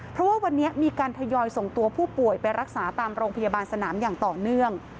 เพราะว่าวันนี้มีการทยอยส่งตัวผู้ป่วยไปรักษาตามโรงพยาบาลสนามอย่างต่อเนื่อง